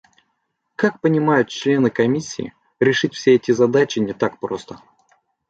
Как понимают члены Комиссии, решить все эти задачи не так просто.